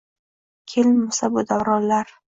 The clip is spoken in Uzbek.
Kelmasa bu davronlar